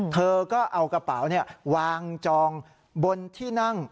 เธอก็เอากระเป๋าวางจองบนที่นั่ง